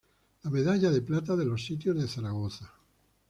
La medalla de plata de los sitios de Zaragoza.